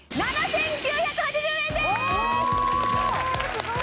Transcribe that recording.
すごい！